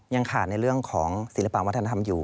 ยังขาดในเรื่องของศิลปะวัฒนธรรมอยู่